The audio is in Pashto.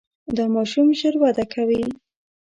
دا ماشوم ژر وده کوي.